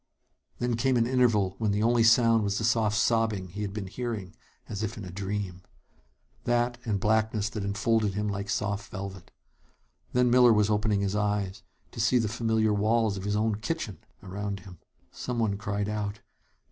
Then came an interval when the only sound was the soft sobbing he had been hearing as if in a dream. That, and blackness that enfolded him like soft velvet. Then Miller was opening his eyes, to see the familiar walls of his own kitchen around him! Someone cried out.